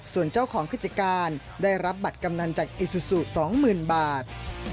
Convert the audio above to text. ส่วนเจ้าของกิจการได้รับบัตรกำนันจากอิซูซู๒๐๐๐บาท